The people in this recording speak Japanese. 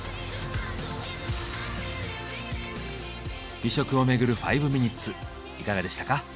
美食をめぐる５ミニッツいかがでしたか？